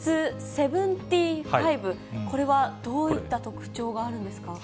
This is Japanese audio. このＢＡ．２．７５、これはどういった特徴があるんですか。